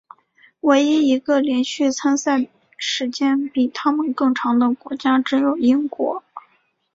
唯一一个连续参赛时间比他们更长的国家只有英国。